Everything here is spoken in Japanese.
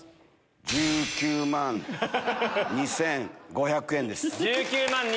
１９万２５００円です。